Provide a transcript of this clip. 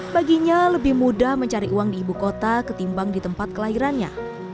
baginya lebih mudah mencari uang di ibu kota ketimbang di tempat kelahirannya